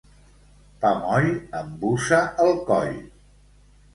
Pa moll embussa el coll.